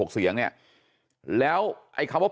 เสียงเนี่ยแล้วไอ้คำว่า